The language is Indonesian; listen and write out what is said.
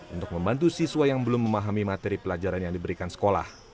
untuk membantu siswa yang belum memahami materi pelajaran yang diberikan sekolah